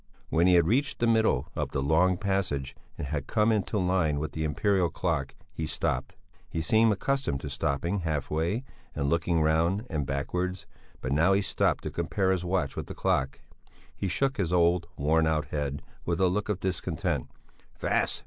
When he had reached the middle of the long passage and had come into line with the imperial clock, he stopped; he seemed accustomed to stopping half way and looking round and backwards; but now he stopped to compare his watch with the clock; he shook his old, worn out head with a look of discontent: "Fast!